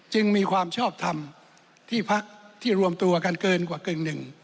จึงมีความชอบทำที่พักที่รวมตัวกันเกินกว่ากึ่งหนึ่ง